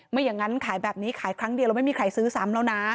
ไม่อย่างนั้นขายแบบนี้ขายครั้งเดียวแล้วไม่มีใครซื้อซ้ำแล้วนะ